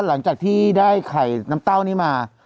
หลังจากที่ได้ไข่น้ำเต้านี้มา